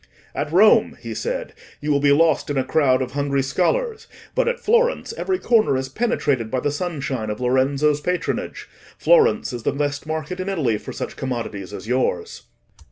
'At Rome,' he said, 'you will be lost in a crowd of hungry scholars; but at Florence, every corner is penetrated by the sunshine of Lorenzo's patronage: Florence is the best market in Italy for such commodities as yours.